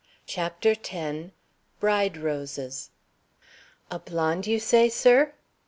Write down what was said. CHAPTER X. BRIDE ROSES. "A blonde, you say, sir?"